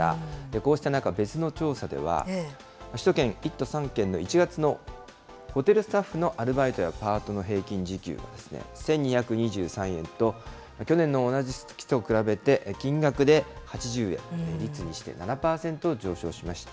こうした中、別の調査では、首都圏１都３県の１月のホテルスタッフのアルバイトやパートの平均時給が１２２３円と、去年の同じ月と比べて金額で８０円、率にして７％上昇しました。